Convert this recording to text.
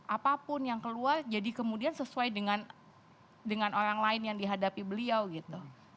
apapun yang keluar jadi kemudian sesuai dengan orang lain yang dihadapi beliau gitu